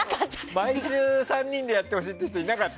毎週３人でやってほしいって人いなかった？